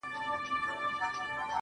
• چي ستا به اوس زه هسي ياد هم نه يم.